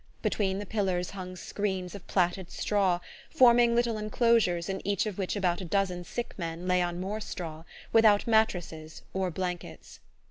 Between the pillars hung screens of plaited straw, forming little enclosures in each of which about a dozen sick men lay on more straw, without mattresses or blankets.